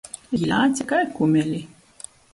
Jī lēce kai kumeli.